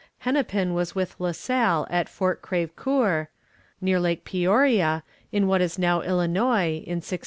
Hennepin was with La Salle at Fort Creve Coeur, near Lake Peoria, in what is now Illinois, in 1680.